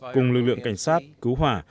cùng lực lượng cảnh sát cứu hỏa